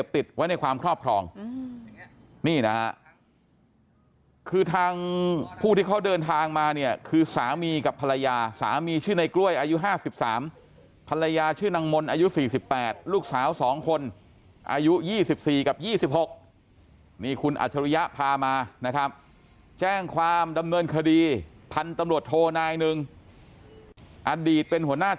ติดไว้ในความครอบครองนี่นะฮะคือทางผู้ที่เขาเดินทางมาเนี่ยคือสามีกับภรรยาสามีชื่อในกล้วยอายุ๕๓ภรรยาชื่อนางมนต์อายุ๔๘ลูกสาว๒คนอายุ๒๔กับ๒๖นี่คุณอัจฉริยะพามานะครับแจ้งความดำเนินคดีพันธุ์ตำรวจโทนายหนึ่งอดีตเป็นหัวหน้า